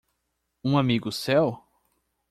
Um amigo seu?